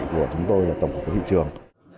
chúng tôi là tổng cục thị trường